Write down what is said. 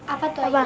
apa tuh ayu